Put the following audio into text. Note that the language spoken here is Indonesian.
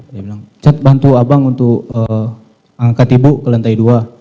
dia bilang cat bantu abang untuk angkat ibu ke lantai dua